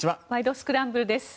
スクランブル」です。